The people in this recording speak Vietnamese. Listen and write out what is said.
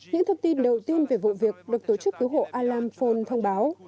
những thông tin đầu tiên về vụ việc được tổ chức cứu hộ alamfone thông báo